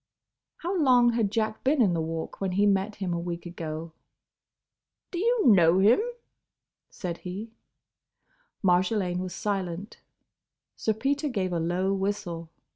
How long had Jack been in the Walk when he met him a week ago? "Do you know him?" said he. Marjolaine was silent. Sir Peter gave a low whistle.